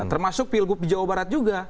termasuk pilgub di jawa barat juga